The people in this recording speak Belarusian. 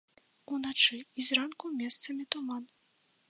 Уначы і зранку месцамі туман.